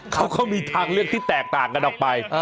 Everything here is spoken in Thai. เขาก็มีทางเลือกที่แตกต่างกันออกไป